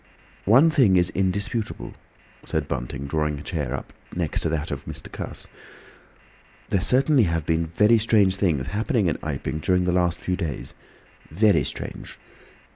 "One thing is indisputable," said Bunting, drawing up a chair next to that of Cuss. "There certainly have been very strange things happen in Iping during the last few days—very strange.